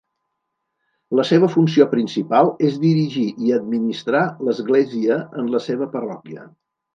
La seva funció principal és dirigir i administrar l'església en la seva parròquia.